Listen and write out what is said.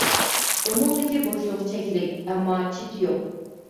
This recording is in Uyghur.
ئۇنىڭدىكى بوشلۇق چەكلىك، ئەمما چېتى يوق.